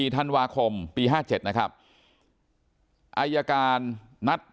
๔ธันวาคมปี๕๗นะครับ